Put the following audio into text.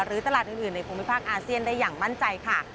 ตลาดอื่นในภูมิภาคอาเซียนได้อย่างมั่นใจค่ะ